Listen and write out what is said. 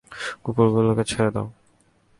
কুকুরগুলোকে ছেড়ে দাও!